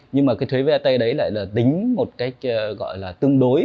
nhưng mà cái thuế vat đấy lại là tính một cách gọi là tương đối